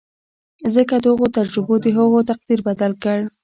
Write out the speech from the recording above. ځکه دغو تجربو د هغه تقدير بدل کړ.